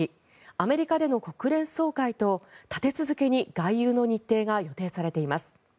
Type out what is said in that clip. アメリカでの国連総会と立て続けに外遊の日程が予定されています。